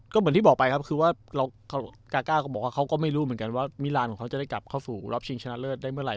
ก็เหมือนที่บอกไปครับคือว่ากาก้าก็บอกว่าเขาก็ไม่รู้เหมือนกันว่ามิรานของเขาจะได้กลับเข้าสู่รอบชิงชนะเลิศได้เมื่อไห